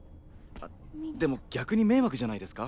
でも逆に迷惑じゃないですか？